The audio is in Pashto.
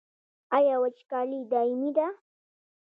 آیا وچکالي دایمي ده؟